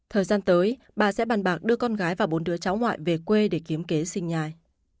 thời gian tới bà sẽ bàn bạc đưa con gái và bốn đứa cháu ngoại về quê để kiếm kế sinh nhai